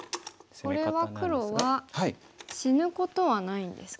これは黒は死ぬことはないんですか？